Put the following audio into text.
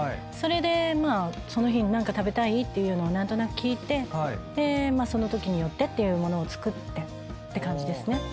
それでまあその日に何か食べたい？っていうのを何となく聞いてそのときによってっていうものを作ってって感じですね。